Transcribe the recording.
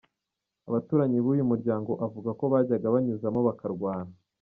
Abaturanyi b’ uyu muryango avuga ko bajyaga banyuzamo bakarwana.